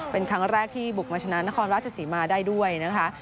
เป็นครั้งแรกที่บุกมาชนะนครราชศรีมาได้ด้วยนะคะ